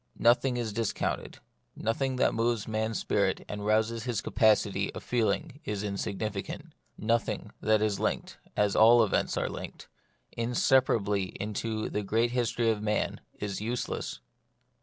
Nothing is disconnected ; nothing that moves man's spirit and rouses his capacity of feeling is insignificant ; nothing that is linked — as all events are linked — inseparably into the great history of man, is useless.